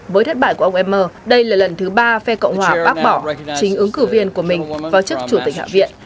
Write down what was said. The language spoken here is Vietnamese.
với thất bại của ông emmer đây là lần thứ ba phe cộng hòa bác bỏ chính ứng cử viên của mình vào chức chủ tịch hạ viện